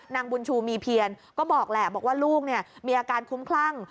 นางบุญชูมีเพียนก็บอกแหละบอกว่าลูกมีอาการคุ้มคลั่ง